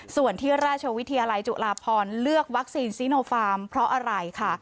ส่วนที่ราชวิทยาลัยจุฬาพรเลือกวัคซีนซีโนฟาร์มเพราะอะไรค่ะ